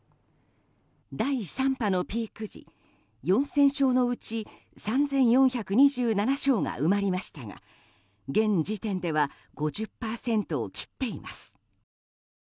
第３波のピーク時４０００床のうち３４２７床が埋まりましたが現時点では５０％を切っています。